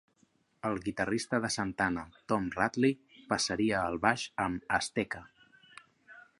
El guitarrista de Santana Tom Rutley passaria al baix amb Azteca.